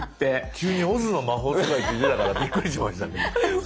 急に「オズの魔法使い」って出たからびっくりしましたけど。